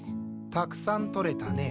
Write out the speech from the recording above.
たくさんとれたね。